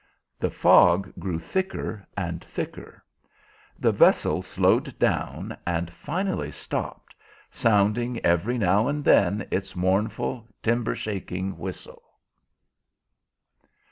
The fog grew thicker and thicker; the vessel slowed down, and finally stopped, sounding every now and then its mournful, timber shaking whistle.